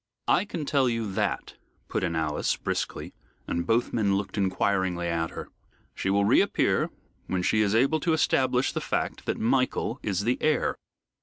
"I can tell you that," put in Alice, briskly, and both men looked inquiringly at her. "She will reappear when she is able to establish the fact that Michael is the heir."